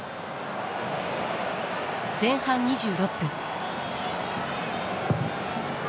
前半２６分。